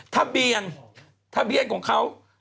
ทะเบียนทะเบียนของเขา